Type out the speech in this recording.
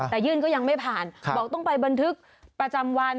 แต่ยื่นก็ยังไม่ผ่านบอกต้องไปบันทึกประจำวัน